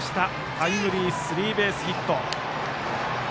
タイムリースリーベースヒット。